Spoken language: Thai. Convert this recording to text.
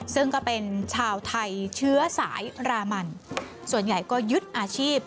ซึ่งก็เป็นชาวไทยเชื้อสายรามันส่วนใหญ่ก็ยึดอาชีพ